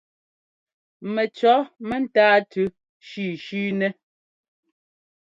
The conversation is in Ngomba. Mɛcʉɔ mɛ́táa tʉ shʉ̌shʉ̌ nɛ́.